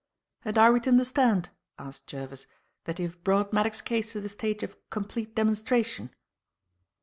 "And are we to understand," asked Jervis, "that you have brought Maddock's case to the stage of complete demonstration?"